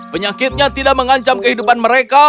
penyakitnya tidak mengancam kehidupan mereka